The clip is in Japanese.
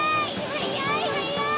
はやいはやい！